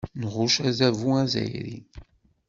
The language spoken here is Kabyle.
Nɣucc adabu azzayri.